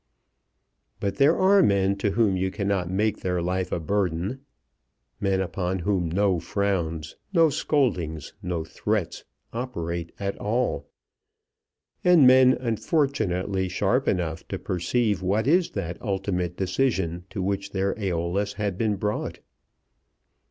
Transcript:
But there are men to whom you cannot make their life a burden, men upon whom no frowns, no scoldings, no threats operate at all; and men unfortunately sharp enough to perceive what is that ultimate decision to which their Æolus had been brought.